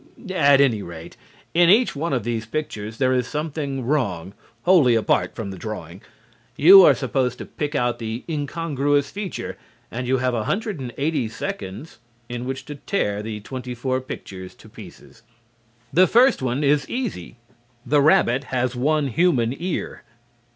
At any rate, in each one of these pictures there is something wrong (wholly apart from the drawing). You are supposed to pick out the incongruous feature, and you have 180 seconds in which to tear the twenty four pictures to pieces. The first one is easy. The rabbit has one human ear.